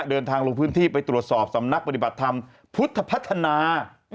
เดินทางลงพื้นที่ไปตรวจสอบสำนักปฏิบัติธรรมพุทธพัฒนา